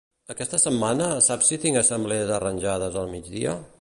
Aquesta setmana saps si tinc assemblees arranjades al migdia?